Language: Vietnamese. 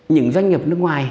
những doanh nghiệp nước ngoài